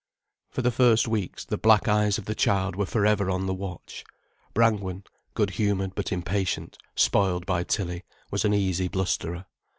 For the first weeks, the black eyes of the child were for ever on the watch. Brangwen, good humoured but impatient, spoiled by Tilly, was an easy blusterer.